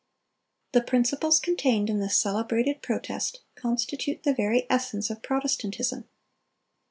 "The principles contained in this celebrated Protest ... constitute the very essence of Protestantism.